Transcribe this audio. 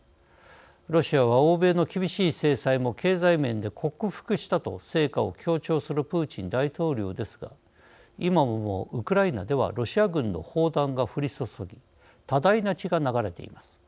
ロシアは欧米の厳しい制裁も経済面で克服したと成果を強調するプーチン大統領ですが今もウクライナではロシア軍の砲弾が降り注ぎ多大な血が流れています。